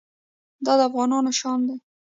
دا د افغانانو شان دی.